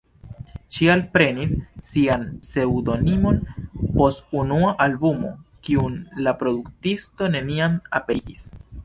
Ŝi alprenis sian pseŭdonimon post unua albumo kiun la produktisto neniam aperigis.